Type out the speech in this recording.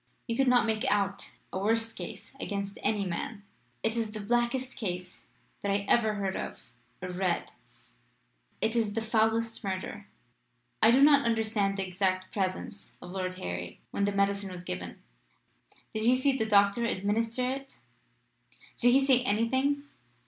"You could not make out a worse case against any man. It is the blackest case that I ever heard of or read. It is the foulest murder. I do not understand the exact presence of Lord Harry when the medicine was given. Did he see the doctor administer it? Did he say anything?"